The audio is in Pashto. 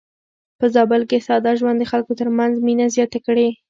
په زابل کې ساده ژوند د خلکو ترمنځ مينه زياته کړې.